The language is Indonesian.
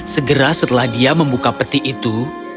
segera setelah dia membuka peti itu